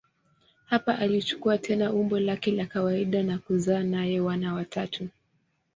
Hapa alichukua tena umbo lake la kawaida na kuzaa naye wana watatu.